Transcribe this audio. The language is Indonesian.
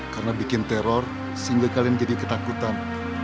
karena bikin teror sehingga kalian jadi ketakutan